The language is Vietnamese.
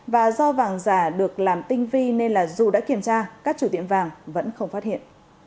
và do vàng giả được làm tinh vi nên dù đã kiểm tra các chủ tiệm vàng vẫn không phát hiện